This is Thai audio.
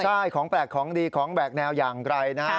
ใช่ของแปลกของดีของแปลกแนวยังไร่นะครับ